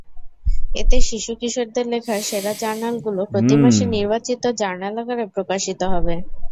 এতে শিশু–কিশোরদের লেখা সেরা জার্নালগুলো প্রতি মাসে নির্বাচিত জার্নাল আকারে প্রকাশিত হবে।